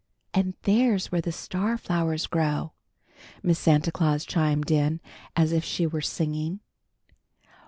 "And there's where the star flowers grow," Miss Santa Claus chimed in, as if she were singing.